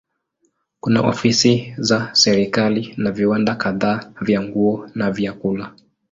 Kuna ofisi za serikali na viwanda kadhaa vya nguo na vyakula.